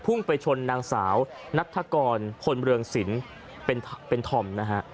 พุ่งไปชนนางสาวนัฐกรพลเมืองสินเป็นธอมนะฮะ